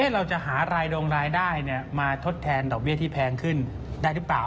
เราจะหารายดงรายได้มาทดแทนดอกเบี้ยที่แพงขึ้นได้หรือเปล่า